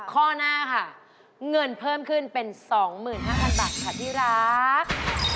ข้อหน้าค่ะเงินเพิ่มขึ้นเป็น๒๕๐๐บาทค่ะที่รัก